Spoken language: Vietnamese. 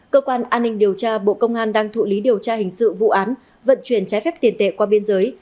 cơ quan an ninh điều tra bộ công an đang thụ lý điều tra hình sự vụ án vận chuyển trái phép tiền tệ qua biên giới